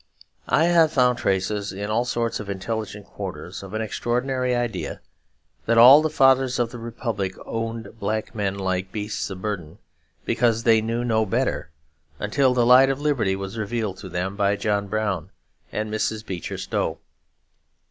I have found traces in all sorts of intelligent quarters of an extraordinary idea that all the Fathers of the Republic owned black men like beasts of burden because they knew no better, until the light of liberty was revealed to them by John Brown and Mrs. Beecher Stowe.